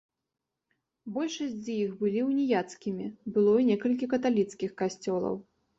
Большасць з іх былі уніяцкімі, было і некалькі каталіцкіх касцёлаў.